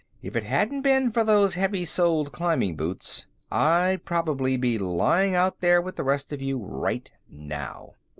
"If it hadn't been for those heavy soled climbing boots, I'd probably be lying out there with the rest of you right now."